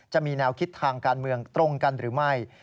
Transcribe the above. จะมีแนวคิดทางการเมืองตรงกันหรือไม่